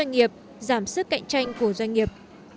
doanh nghiệp giảm sức cạnh tranh của doanh nghiệp